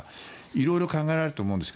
いろいろ考えられると思います。